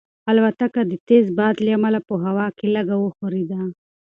الوتکه د تېز باد له امله په هوا کې لږه وښورېده.